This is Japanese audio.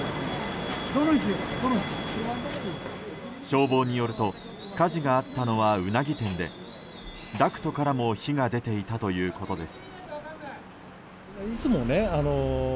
消防によると火事があったのはウナギ店でダクトからも火が出ていたということです。